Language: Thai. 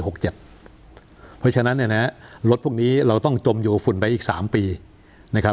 เพราะฉะนั้นเนี่ยนะรถพวกนี้เราต้องจมอยู่ฝุ่นไปอีก๓ปีนะครับ